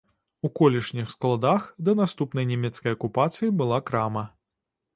У колішніх складах да наступнай нямецкай акупацыі была крама.